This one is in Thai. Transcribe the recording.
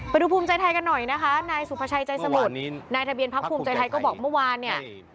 ภูมิใจไทยกันหน่อยนะคะนายสุภาชัยใจสมุทรนายทะเบียนพักภูมิใจไทยก็บอกเมื่อวานเนี่ย